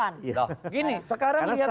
nah gini sekarang lihat